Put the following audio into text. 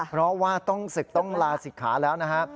เพราะว่าต้องศึกต้องลาศิกขาแล้วนะฮะ